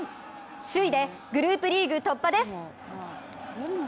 首位でグループリーグ突破です。